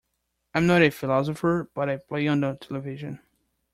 I'm not a philosopher, but I play one on television.